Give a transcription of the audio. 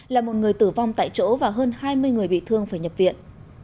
là một người tử vong tại chỗ và hơn hai mươi người bị thương phải nhập viện